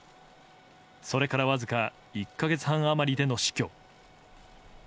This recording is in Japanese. それからわずか１か月半余りでの死去。